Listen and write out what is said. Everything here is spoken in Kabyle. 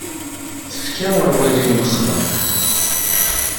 Tefka awal i unexḍab.